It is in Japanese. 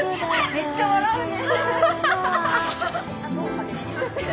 めっちゃ笑うね。